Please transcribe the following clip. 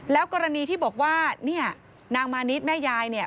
แล้วกรณีที่บอกว่านางมานิดแม่ยายเนี่ย